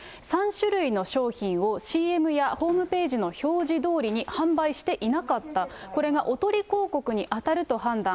３種類の商品をＣＭやホームページの表示どおりに販売していなかった、これがおとり広告に当たると判断。